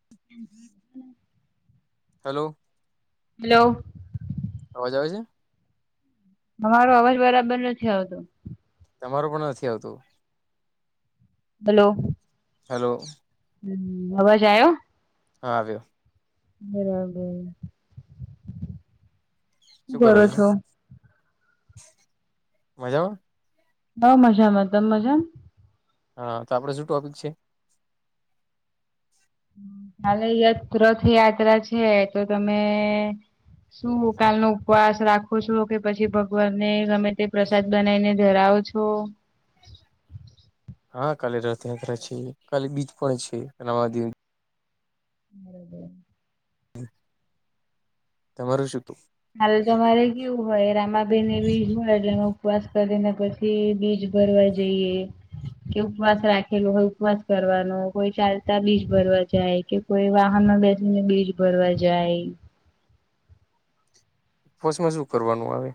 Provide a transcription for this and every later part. [inaudible] Hello hello. અવાજ આવે છે તમારો અવાજ બરાબર નથી આવતો. તમારો પણ નથી આવતો. હલો હલો હમ્મ અવાજ આયો હા આવ્યો બરાબર શું કરો છો મજામાં બો મજામાં તમ મજામ હા તો આપડે શું ટોપિક છે કાલે યથ રથયાત્રા છે તો તમે શું કાલ નો ઉપવાસ રાખો છો કે પછી ભગવાનને ગમે તે પ્રસાદ બનાવીને ધરાવો છો હા કાલે રથયાત્રા છે કાલે બીજ પણ છે [unintelligible] [inaudible] તમારું શું તું હા તમારે કેવું હોય રમાબેન એ બીજ હોય એટલે એ ઉપવાસ કરીને પછી બીજ ભરવા જઈએ. કે ઉપવાસ રાખેલો હોય ઉપવાસ કરવાનો કોઈ ચાલતા બીજ ભરવા જાય કે કોઈ વાહનમા બેસીને બીજ ભરવા જાય. બસ મજું કરવાનું આવે.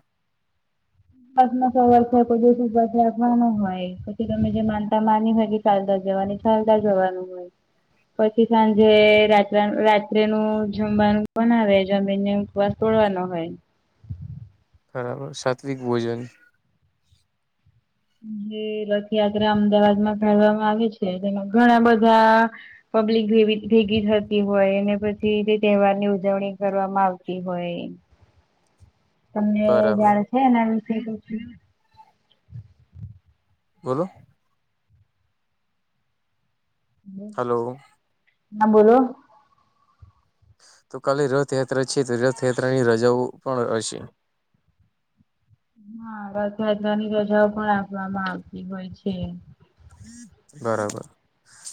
ચ વર્ષ કોઈ દિવસા રાખવાનો હોય પછી તમે જે માનતા માની હો. ચાલદતા જવાની ચાલતા જવાનું હોય. પછી સાંજે રાત્ર રાત્રે નું જમવાનું પણ આવે જમીને. [unintelligible] બરાબર સાત્વિક ભોજન જે રથયાત્રા અમદાવાદમાં કાઢવામાં આવે છે તેમાં ઘણા બધા. પબ્લિકે ભેગી થતી હોય પછી તે તહેવાર ની ઉજવણી કરવામાં આવતી હોય. તમને બરાબર જાડ છે એને. બોલો. હલો ના બોલો તો કાલે રથયાત્રા છે તો રથયાત્રા ની રજાઓ પણ હશે. હા આ ખદવાની રજાઓ પણ આપવામાં આવતી હોય છે. બરાબર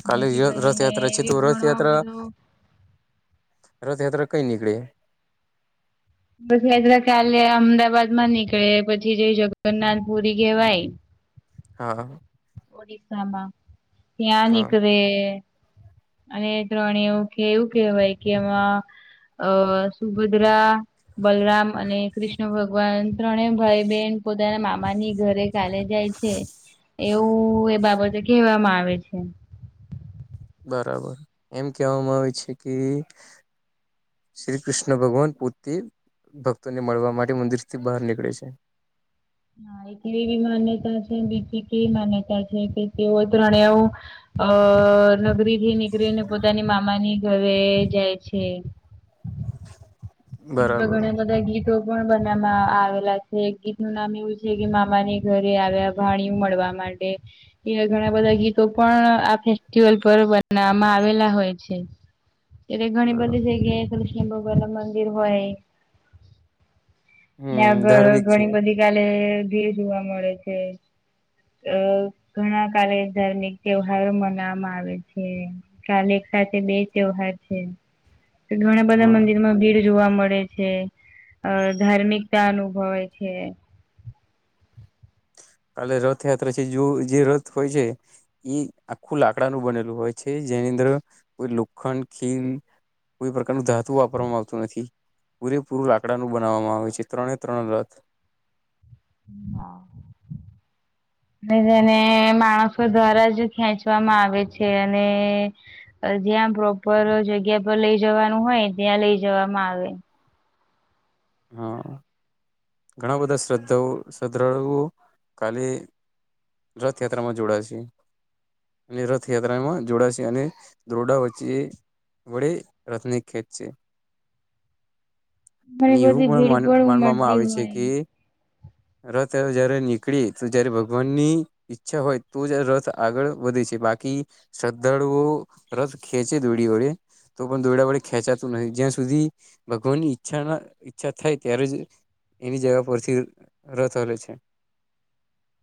કાલી જેથી કરીને રથયાત્રા છે તો એક ઘણો રથયાત્રા. બધો રથયાત્ર કઈ કળે. બસ યાત્રા કાલે અમદાવાદ માં નીકળે પછી જઈ જગન્નાથ પુરી કહેવાય. હા. ઓડીશમાં હા ધિયાનીિક ર. અને ત્રણે એવું એવું કવાય કે એમાં અ સુભદ્રા. બલરામ અને કૃષ્ણ ભગવાન ત્રણે ભાઈ બહેન પોતાના મામાની ઘરે કાલે જાય. છે એવું એ બાબતે કેહેવામાં આવે છે. બરાબર એમ કેહેવામાં આવે છે કે. શ્રી કૃષ્ણ ભગવાન પોતથી ભક્તોને મળવા માટે મંદિર થી બહાર નીકળે છે. હા એ એવી માન્યતા છે બીજી કેવી માન્યતા છે કે તેઓ ત્રણે. અ નગરી થી નીકળીને પોતાની મામાની ઘરે જાય છે. એ બરાબર ગણાગ તો. બનાવામાં આવેલા છે ગીત નું નામ એવું છે કે મામાની ઘરે આવ્યા. વાણીું મળવા માટે. એ ઘણા બધા ગીતો પણ આ ફેસ્ટિવલ પર બનાવામાં આવેલા હોય છે. એ્યારે ઘણી બરાબર બધી જગ્યાએ કૃષ્ણ ભગવાન ના મંદિર હોય. હમ ્યાંગળ ધાર્મિક છે ઘણી બધી કાલે ભી જોવા મળે છે. અ ઘણા કારે ધાર્મિક તહેવારો મનાવામાં આવે છે. કાલે એક સાથે બે ત્યવાર છે. ઘણા બધા હા મંદિરમાં ભીડ જોવા મળે છે અ. ધાર્મિકતા અનુભવે છે. કાલે રથયાત્રા છે જો જે રથ હોય છે. એ આખું લાકડાનુંું બનેલું હોય છે જેની અંદર કોઈ લોખંડ ખીલ. કોઈ પ્રકારનું ધાતુ વાપરવામાં આવતું નથી. પૂરેપૂરું લાકડાનું બનાવવામાં આવે છે ત્રણે ત્રણ રથ. હા. જેને માણસો દ્વારાજ ખેંચવામાં આવે છે અને. જ્યાં પ્રોપર જગ્યા પર લઇ જવાનું હોય ત્યાં લઈ જવામાં આવે. હા ઘણા બધા શ્રદ્ધા શધાળ ખાલી. રથયાત્રા માં જોડા છે. અને રથયાત્રામાં જોડાશે અને દરોડા વચ્ચે. બડી રતની ખેત છે. ઘણી અને બધી એવું ભીડ પણ માનવામાં ઉમટતી આવે છે હોય. કે. રથ જયારે નીકળી તો જયારે ભગવાન ની. ઈચ્છા હોય તો જ રસ આગળ વધે છે બાકી. શ્રદ્ધાળુઓ રસ ખેંચે ધૂડી ઓળે. તો પણ દોયડા વડે ખેંચાતું નહિં, જ્યાં સુધી ભગવાન ની ઈચ્છા ના હો ઈચ્છા થાય ત્યારે જ, એની જગા પરથી રથ હલે છે.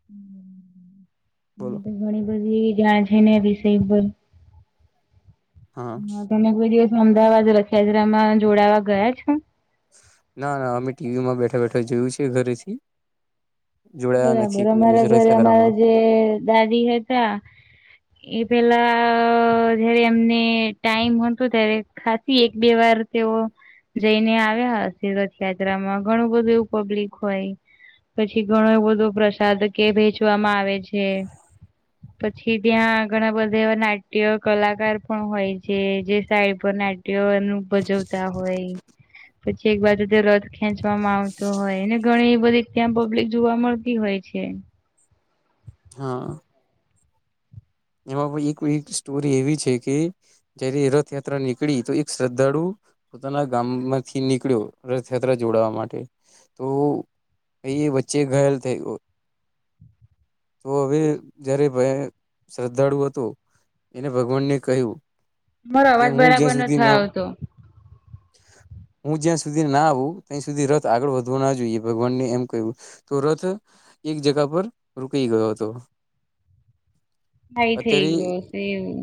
હમ. બોલો. ઘણી બધી જાણ છે ને રિસેલ. હા હ તમે કોઈ દિવસ અમદાવાદ રથયાત્રામાં જોડાવા ગયા છ હ. ના, ના, અમે ટીવીમાં બેઠા બેઠા જોયું છે ઘરેથી. જોડાયા નથી બરાબર, કોઈ દિવસ અમારા ઘરે રથયાત્રામાં અમારા જે દાદી હતા, એ પેલા, જયારે એમને ટાઈમ હતો, ત્યારે ખાસી એક બે વાર તેઓ જઈને આવ્યા હસે રથયાત્રામાં, ઘણું બધું એવું પબ્લિક હોય, પછી ઘણો એવ બધો પ્રશાદ કે વેચવામાં આવે છે. પછી ત્યાં ઘણા બધા એવા નાટ્ય કલાકાર પણ હોય છે જે સાઈડ પર નાટ ટ્ય એનું ભજવતા હોય. પછી એક બાજુ જે રથ ખેંચવામાં આવતો હોય ને ઘણી બધી ત્યાં પબ્લિક જોવા મળતી હોય છે. હા. એમાં પછી કોઈ એક સ્ટોરી એવી છે કે જ્યારે રથયાત્રા નીકળી તો એક શ્રદ્ધાળુ પોતાના ગામમાંથી નીકળ્યો રથયાત્રા જોડાવા માટે. તો, એ એ વચ્ચે ઘાયલ થઈ ગયો. તો હવે જ્યારે ભાઈ શ્રદ્ધાળુ હતો, એણે ભગવાનને કહ્યું. તમારો કે અવાજ હું બરાબર જ્યાં નથ સુધી ના આવતો. હું જ્યાં સુધી ના આવું ત્યાં સુધી રથ આગળ વધવો ના જોઈએ. ભગવાનને એમ કહ્યું. તો રથ એક જગા પર રોકઈ ગયો હતો. થાઈ થઈ અત્યારે ગયો સે એવુ.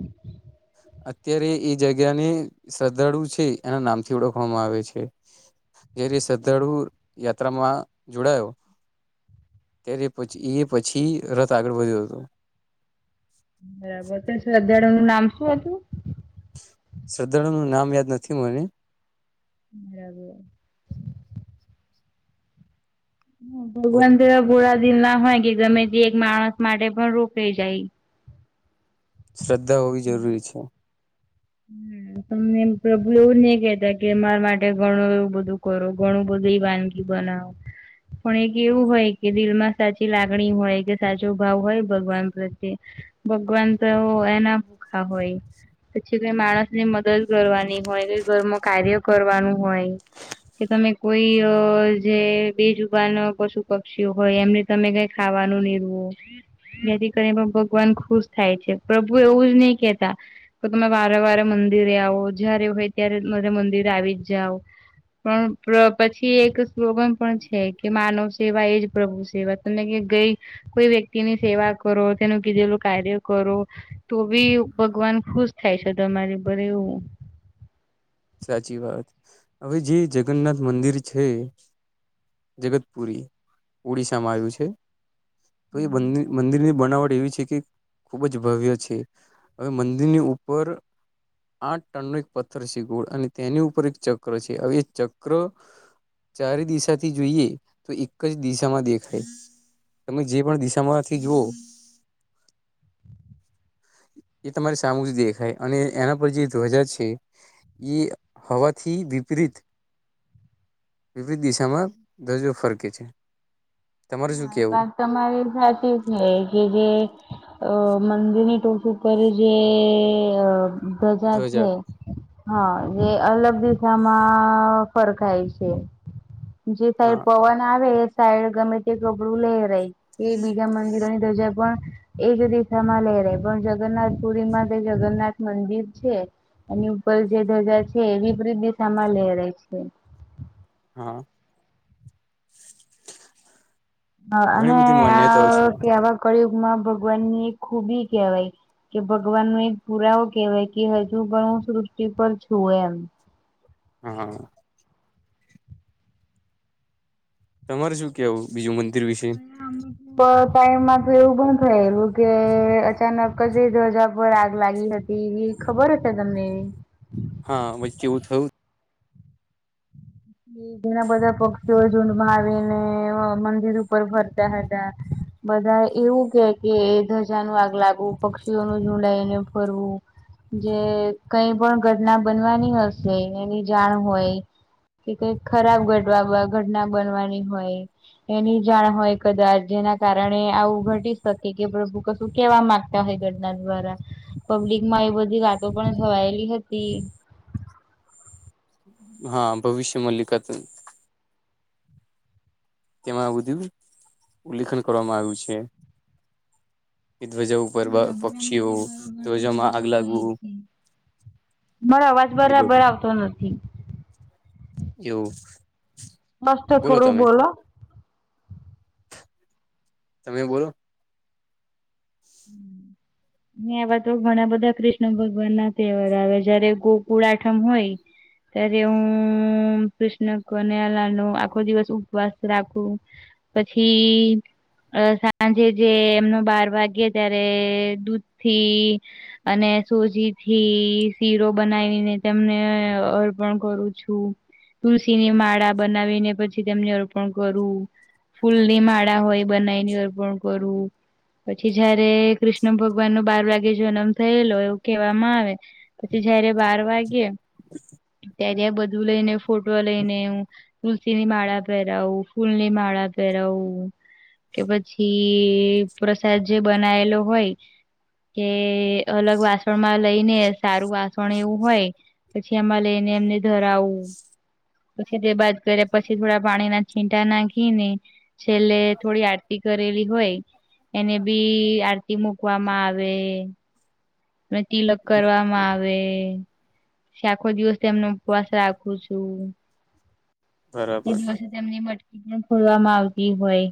અત્યારે એ જગ્યા ને શ્રદ્ધાળુ છે, એના નામથી ઓળખવામાં આવે છે. જેથી શ્રદ્ધાળુ યાત્રામાં જોડાયો. ત્યારે પછી, એ પછી રથ આગળ વધ્યો હતો. બરાબર ત્યાં શ્રદ્ધાળુ નું નામ સુ હતું? શ્રદ્ધાળુનું નામ યાદ નથી મને. હ. ભગવાન તો એવા ભોળ દિલ ના હોય કે ગમે તે એક માણસ માટે પણ રોકાઈ જાય ઈ. શ્રદ્ધા હોવી જરૂરી છે. [inaudible] તમનેમ પ્રભુ એવું જ નહી કેતા કે મારા માટે ઘણું એવું બધું કરો ઘણું બધી વાનગી. બનાવ. પણ એક એવું હોય કે દિલમાં સાચી લાગણી હોય કે સાચો ભાવ હોય ભગવાન પ્રત્યે. ભગવાન તો એવુ એના ભૂખા હોય પછી કઈ માણસને મદદ કરવાની હોય, કઈ ઘરમાં કાર્ય કરવાનું હોય. કે તમે કોઈ અ જે બેજુબાન પશુપક્ષીઓ હોય એમને તમે કઈ ખાવાનું નીરવો. જેથી કરી પણ ભગવાન ખુસ થાય છે, પ્રભુ એવું જ નહી કેતા. તો તમે વારે વારે મંદિરે આવો જયારે હોય ત્યારે મારે મંદિરે આવી જ જાઓ. પણ પ્ર પછી એક સ્લોગન પણ છે કે માનવ સેવા એજ પ્રભુ સેવા તને કે ગઈ. કોઈ વ્યક્તિની સેવા કરો તેનું કીધેલું કાર્ય કરો તો બી ઉ ભગવાન ખુસ થાય છે તમારે ભરે એવું. સાચી વાત. હવે જે જગન્નાથ મંદિર છે, જગતપુરી, ઓડિશામાં આયુ છે. તો એ મંદી, મંદિર બનાવટ એવી છે કે ખૂબ જ ભવ્ય છે હવે મંદિરની ઉપર આઠ ટનનો એક પથ્થર છે ગોળ અને તેની ઉપર એક ચક્ર છે હવે ચક્ર ચારે દિસાથી જોઈએ, તો એક જ દિસામાં દેખાય તમે જે પણ દિસામાંથી જુઓ [inaudible] એ તમારે સામું જ દેખાય અને એના પર જે ધ્વજા છે. એ હવા થી વિપરીત વિવિધ દિશામાં ધવજો ફરકે છે. તમારે શું હા એ કેવું વાત તમારી સાચી જ છે કે જે. અ મંદિરની ટોપ ઉપર જે અ. ધજા છે ધ્વજા હા જે અલગ દિશામાં ફરખાય છે જે સાઈડ હા પવન આવે એ સાઈડ ગમે. તે કપડું લેરાય કે બીજા મંદિરોની ધજા પણ એ જ દિશામાં લેહરાય પણ જગન્નાથ પુરીમાં તે જગન્નાથ મંદિર છે. એની ઉપર જે ધજા છે એ વિપરીત દિશામાં લેહરાય છે. હા. હ ઘણી અને બધી માન્યતાઓ છે આ કેવા કળયુગમાં ભગવાન ની ખૂબી કહેવાય. કે ભગવાન નુ એ પુરાવો કેહેવાય કે હજુ પણ હું સૃષ્ટિ પર છું એમ. હા. તમારે શું. કેવું બીજું મંદિર વિશે. આ. પ ટાઈમમાં તો એવું પણ થયેલું કે અચાનક ક ધ્વજા પર આગ લાગી હતી એવી. ખબર હશે તમને. હા વચે એવું થયું. હમ [unintelligible] જેના બધા પક્ષીઓ ઝૂડમાં આવીને મંદિર ઉપર ફરતા હતા. બધા એવું કે કે ધજા નુ આગ લાગવું પક્ષીઓનું ઝુંડ આઈને ફરવું. જે કઈ પણ ઘટના બનવાની હશે એની જાણ હોય. કે કઈક ખરાબ ઘટવા ઘટના બનવાની હોય. એની જાણ હોય કદાચ જેના કારણે આવું ઘટી શકે કે પ્રભુ ક. શું કેવા માંગતા હોય ઘટના દ્વારા પબ્લિક માં એ બધી વાતો પણ છવાયેલી હતી. હા ભવિષ્યમલ્લિકા તો. તેમાં આ બધું ઉલ્લેખન કરવામાં આવ્યું છે ધ્વજા. ફરવા બરાબર આમ તો પક્ષીઓ તહેવારો ઘણા ઘ્વજા માં બધા આગ હોય લાગવું. છે. મારો અવાજ એ બરાબર બધું આવતો નથી. એવું. મસ્ત થોડું બોલો. તમે બોલો. હમ [unintelligible] એવા તો ઘણા બધા કૃષ્ણ ભગવાન ના તહેવાર આવે જયારે ગોકુળ આઠમ હોય. ત્યારે હું કૃષ્ણ કનૈયા લાલ નુ આખો દિવસ ઉપવાસ રાખું. પછી અ સાંજે જે એમનો બાર વાગ્યે. ત્યારે દૂધથી. અને સોજી થી શીરો બનાવીને તેમને અર્પણ કરું છું. તુલસી ની માળા બનાવીને પછી તેમને અર્પણ કરું. ફૂલ ની માળા હોય બનાઇને અર્પણ કરવું પછી. જયારે કૃષ્ણ ભગવાન નો બાર વાગે જન્મ થયેલો એવું કહેવામાં આવે. પછી જયારે બાર વાગે. [inaudible] [unintelligible] ત્યારે્યા બધું લઈ ને ફોટો લઈને. તુલસી ની માળા પહેરાવું ફૂલ ની માળા પહેરાવું. કે પછી પ્રસાદ જે બનાયેલો હોય. કે અલગ વાસણમાં લઈને સારું વાસણ એવું હોય. પછી એમાં લઈને એમને ધરાઉ. પછી તે બાદ કર્યા પછી થોડા પાણી ના છીંટા નાખી ને. છેલ્લે થોડી આરતી કરેલી હોય એને. બી આરતી મુકવામાં આવે. અને તિલક કરવામાં આવે. આખો દિવસ એમનો ઉપવાસ રાખું છું. તે બરાબર દિવસે તેમની મટકી પણ ખોડવામાં આવતી હોય.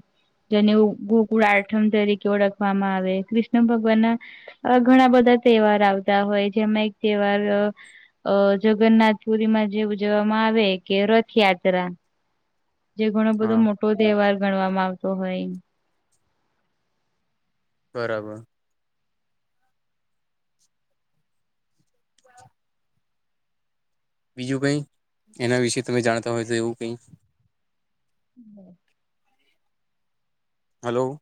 જેને ગોકુળ આઠમ તરીકે ઓળખવામાં આવે કૃષ્ણ ભગવાન ના. અ ઘણા બધા તહેવાર આવતા હોય જેમાં એક તહેવાર. અ જગન્નાથ પુરી માં જે ઉજવવામાં આવે કે રથયાત્રા. જે ઘણો બધો હા મોટો તહેવાર ગણવામાં આવતો હોય. બરાબર. [unintelligible] બીજું કઈ એના વિશે તમે જાણતા હોય તો એવું કઈ. હા. હલો.